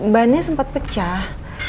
bannya sempat pecah